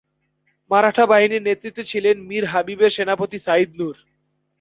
মারাঠা বাহিনীর নেতৃত্বে ছিলেন মীর হাবিবের সেনাপতি সাঈদ নূর।